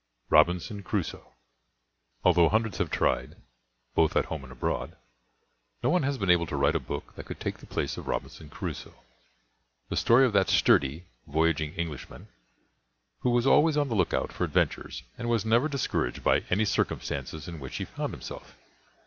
ROBINSON CRUSOE Although hundreds have tried, both at home and abroad, no one has been able to write a book that could take the place of Robinson Crusoe, the story of that sturdy, voyaging Englishman who was always on the lookout for adventures and was never discouraged by any circumstances in which he found himself.